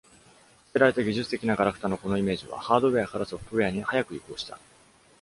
「捨てられた技術的ながらくた」のこのイメージは、ハードウェアからソフトウェアに速く移行した。